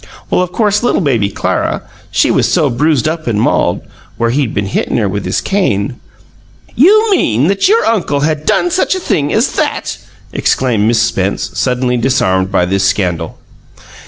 Well of course, little baby Clara, she was so bruised up and mauled, where he'd been hittin' her with his cane " "You mean that your uncle had done such a thing as THAT!" exclaimed Miss Spence, suddenly disarmed by this scandal.